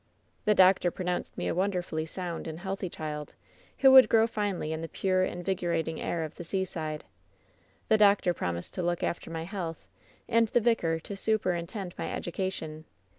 "The doctor pronounced me a wonderfully sound and healthy child, who would grow finely in the pure, invig orating air of the seaside. The doctor promised to look after my health, and the vicar to superintend my educa tion.